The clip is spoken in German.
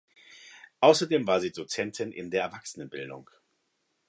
Außerdem war sie Dozentin in der Erwachsenenbildung.